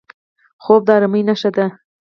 خوب د ارامۍ نښه ده